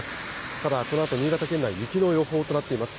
ただ、このあと新潟県内、雪の予報となっています。